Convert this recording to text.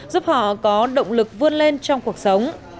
giúp họ có động lực vươn lên trong cuộc sống